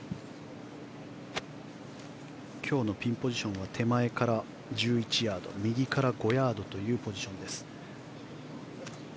今日のピンポジションは手前から１１ヤード右から５ヤードというポジションです。